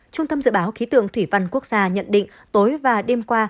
trung tâm dự báo khí tượng thủy văn quốc gia nhận định tối và đêm qua